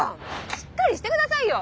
しっかりして下さいよ。